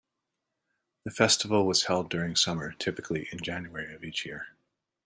The festival was held during summer, typically in January of each year.